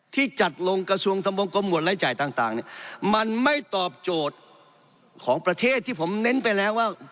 ที่จัดลงกระทรวงทำวงกรมหวดรายจ่ายต่างเนี่ยมันไม่ตอบโจทย์ของประเทศที่ผมเน้นไปแล้วว่า